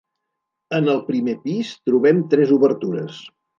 En el primer pis trobem tres obertures.